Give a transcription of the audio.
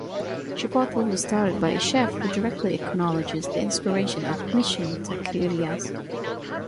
Chipotle was started by a chef who directly acknowledges the inspiration of Mission taquerias.